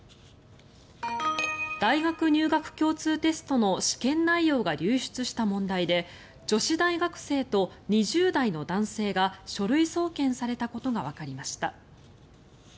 大学入学共通テストの試験内容が流出した問題で女子大学生と２０代の男性が書類送検されたことがわかりました。